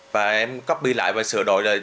và em copy lại và sửa đổi rồi